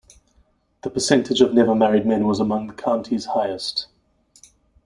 The percentage of never-married men was among the county's highest.